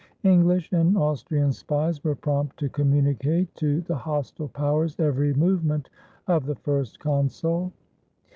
English and Aus trian spies were prompt to commtmicate to the hostile powers every movement of the First Consul.